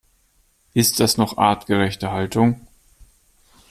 Ist das noch artgerechte Haltung?